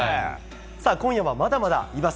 今夜はまだまだいます。